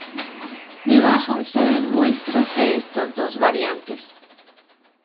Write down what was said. Debajo se dan muestras de estas dos variantes.